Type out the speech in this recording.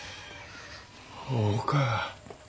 ほうか。